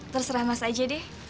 terserah mas aja deh